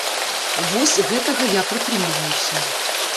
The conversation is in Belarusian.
Вось гэтага я прытрымліваюся.